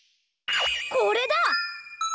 これだ！